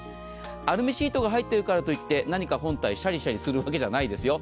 アルミシートが入っているからといって何か本体、シャリシャリするわけじゃないですよ。